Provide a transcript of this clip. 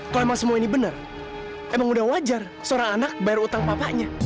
kalau emang semua ini benar emang udah wajar seorang anak bayar utang bapaknya